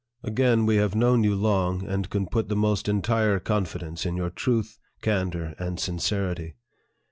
Again, we have known you long, and can put the most entire confidence in your truth, candor, and sin cerity.